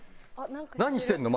何してるの？